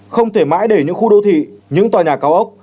không thể mãi để những khu đô thị những tòa nhà cao ốc